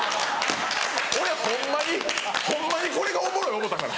俺ホンマにホンマにこれがおもろい思うたから。